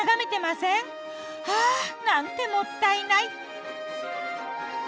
ああなんてもったいない。